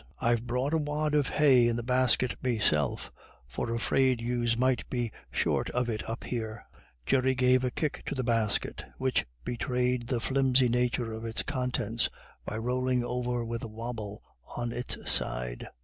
I've brought a wad of hay in the basket meself, for 'fraid yous might be short of it up here." Jerry gave a kick to the basket, which betrayed the flimsy nature of its contents by rolling over with a wobble on its side.